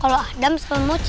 kalau adam sama moci